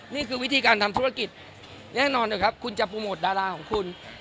นี่คือวิธีการทำธุรกิจแน่นอนนะครับคุณจะโปรโมทดาราของคุณ